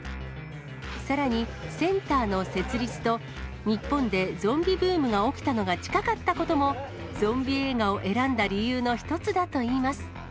さらに、センターの設立と、日本でゾンビブームが起きたのが近かったことも、ゾンビ映画を選んだ理由の一つだといいます。